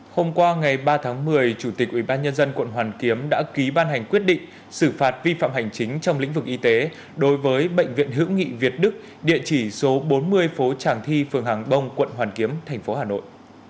hôm qua ngày ba tháng một mươi chủ tịch ubnd quận hoàn kiếm đã ký ban hành quyết định xử phạt vi phạm hành chính trong lĩnh vực y tế đối với bệnh viện hữu nghị việt đức địa chỉ số bốn mươi phố tràng thi phường hàng bông quận hoàn kiếm thành phố hà nội